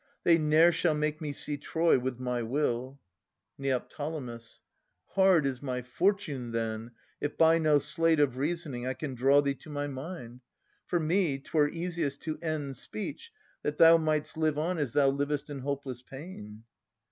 They ne'er shall make me see Troy with my will. Neo. Hard is my fortune, then, if by no sleight Of reasoning I can draw thee to my mind. For me, 'twere easiest to end speech, that thou Might'st live on as thou livest in hopeless pain.